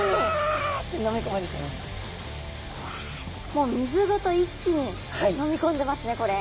もう水ごと一気に飲みこんでますねこれ。